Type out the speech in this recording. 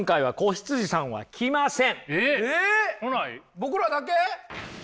僕らだけ？